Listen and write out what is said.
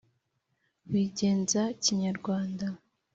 wigenza kinyarwanda